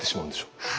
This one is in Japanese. はい。